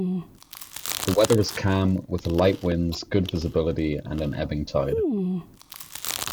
The weather was calm with light winds, good visibility, and an ebbing tide.